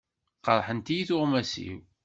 Qerrḥent-iyi tuɣmas-iw.